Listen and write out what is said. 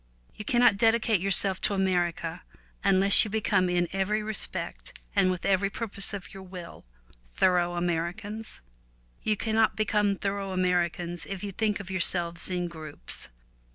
You cannot dedicate yourself to America unless you become in every respect and with every purpose of your will thorough Ameri cans. You cannot become thorough Ameri cans if you think of yourselves in groups.